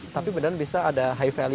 tapi benar bisa ada high value